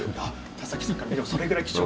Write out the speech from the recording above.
田崎さんから見てもそれぐらい貴重な。